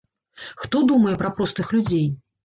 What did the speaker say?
Хто думае пра простых людзей?